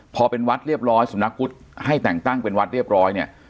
พอเป็นวัดเรียบร้อยสำนักพุทธให้แต่งตั้งเป็นวัดเรียบร้อยเนี่ย